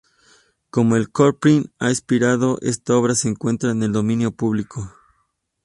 Como el copyright ha expirado, esta obra se encuentra en el dominio público.